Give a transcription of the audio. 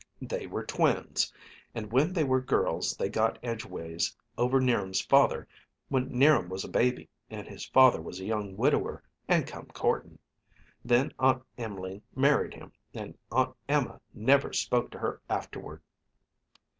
They were twins, and when they were girls they got edgeways over 'Niram's father, when 'Niram was a baby and his father was a young widower and come courting. Then Aunt Em'line married him, and Aunt Emma never spoke to her afterward."